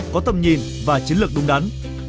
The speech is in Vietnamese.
có tầm nhìn và chiến lược đúng đắn